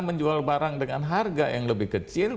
menjual barang dengan harga yang lebih kecil